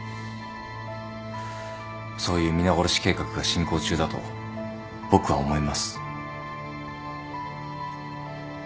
そういう皆殺し計画が進行中だと僕は思います。